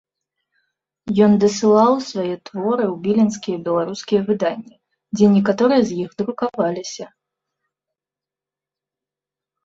Ён дасылаў свае творы ў віленскія беларускія выданні, дзе некаторыя з іх друкаваліся.